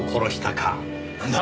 なんだ？